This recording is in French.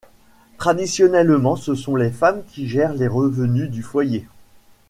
Traditionnellement, ce sont les femmes qui gèrent les revenus du foyer.